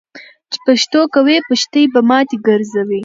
چی پښتو کوی ، پښتي به ماتی ګرځوي .